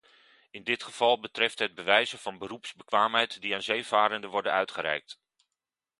In dit geval betreft het bewijzen van beroepsbekwaamheid die aan zeevarenden worden uitgereikt.